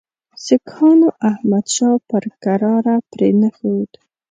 سیکهانو احمدشاه پر کراره پرې نه ښود.